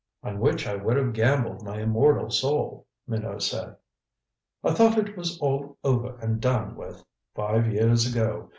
"On which I would have gambled my immortal soul," Minot said. "I thought it was all over and done with five years ago.